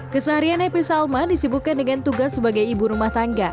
keseharian epi salma disibukkan dengan tugas sebagai ibu rumah tangga